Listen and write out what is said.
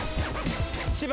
千葉。